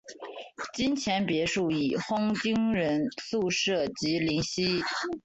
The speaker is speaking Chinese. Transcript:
金钱别墅已婚军人宿舍及林夕。